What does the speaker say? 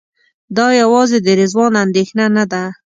دا یوازې د رضوان اندېښنه نه ده.